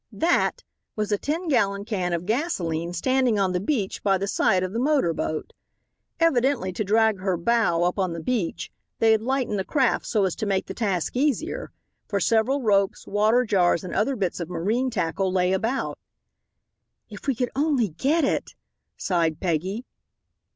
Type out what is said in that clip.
"That" was a ten gallon can of gasolene standing on the beach by the side of the motor boat. Evidently, to drag her bow up on the beach, they had lightened the craft so as to make the task easier, for several ropes, water jars and other bits of marine tackle lay about. "If we could only get it," sighed Peggy.